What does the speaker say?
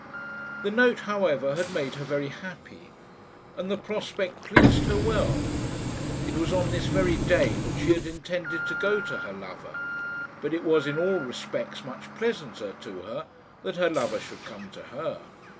The note, however, had made her very happy, and the prospect pleased her well. It was on this very day that she had intended to go to her lover; but it was in all respects much pleasanter to her that her lover should come to her.